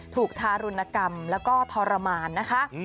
ทารุณกรรมแล้วก็ทรมานนะคะ